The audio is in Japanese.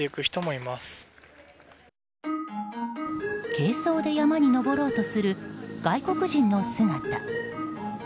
軽装で山に登ろうとする外国人の姿。